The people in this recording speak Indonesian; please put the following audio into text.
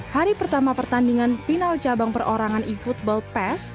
hari pertama pertandingan final cabang perorangan efootball pes